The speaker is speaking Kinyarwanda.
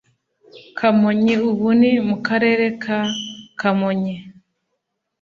Kamonyi ubu ni mu Karere ka Kamonyi